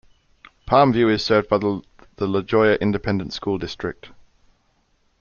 Palmview is served by the La Joya Independent School District.